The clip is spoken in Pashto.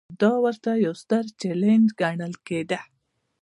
دا ورته یو ستر چلنج ګڼل کېده.